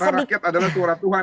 suara rakyat adalah suara tuhan